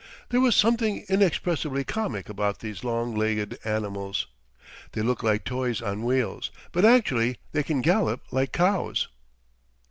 There was something inexpressibly comic about these long legged animals. They look like toys on wheels, but actually they can gallop like cows.